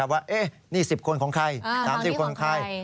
ว่านี่๑๐คนของใคร๓๐คนใคร